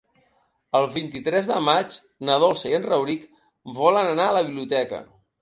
El vint-i-tres de maig na Dolça i en Rauric volen anar a la biblioteca.